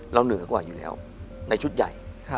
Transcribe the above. เหนือกว่าอยู่แล้วในชุดใหญ่